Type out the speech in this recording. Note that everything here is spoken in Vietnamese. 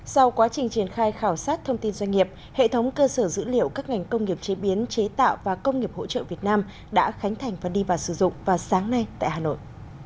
sau quá trình triển khai khảo sát thông tin doanh nghiệp hệ thống cơ sở dữ liệu các ngành công nghiệp chế biến chế tạo và công nghiệp hỗ trợ việt nam đã khánh thành và đi vào sử dụng vào sáng nay tại hà nội